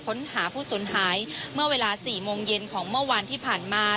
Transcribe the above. ค้นหาผู้สูญหายเมื่อเวลา๔โมงเย็นของเมื่อวานที่ผ่านมา